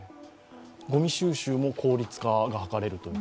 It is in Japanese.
ごみ収集も効率化が図れると。